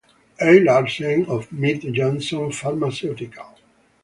A. Larsen of Mead-Johnson Pharmaceutical.